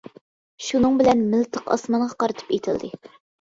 شۇنىڭ بىلەن مىلتىق ئاسمانغا قارىتىپ ئېتىلدى.